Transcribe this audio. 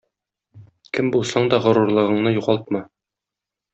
Кем булсаң да горурлыгыңны югалтма.